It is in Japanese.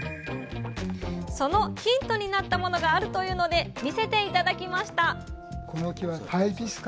そのヒントになったものがあるというので見せて頂きました